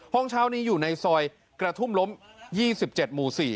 ห้องเช้านี้อยู่ในซอยกระทุ่มล้ม๒๗หมู่๔